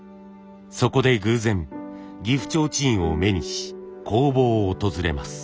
そこで偶然岐阜提灯を目にし工房を訪れます。